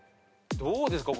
どうですか？